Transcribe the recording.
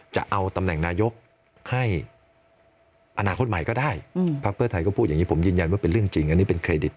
จะเอาตำแหน่งนายกให้อนาคตใหม่ก็ได้พักเพื่อไทยก็พูดอย่างนี้ผมยืนยันว่าเป็นเรื่องจริงอันนี้เป็นเครดิต